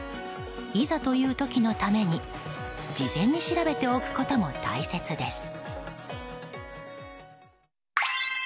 いざという時のために事前に調べておくことも大切です。